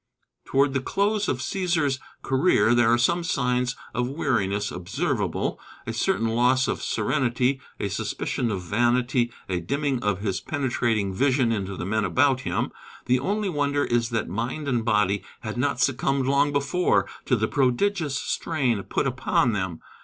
Toward the close of Cæsar's career there are some signs of weariness observable a certain loss of serenity, a suspicion of vanity, a dimming of his penetrating vision into the men about him. The only wonder is that mind and body had not succumbed long before to the prodigious strain put upon them.